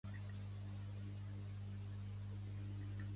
És també el ritme "tal" més comú al nord de l'Índia.